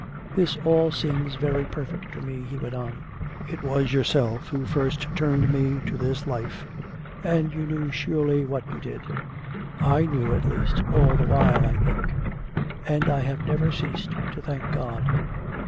" This all seems very perfect to me," he went on. " It was yourself who first turned me to this life, and you knew surely what you did. I knew, at least, all the while, I think; and I have never ceased to thank God.